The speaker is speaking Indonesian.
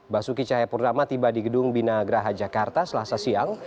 basuki cahayapurnama tiba di gedung binagraha jakarta selasa siang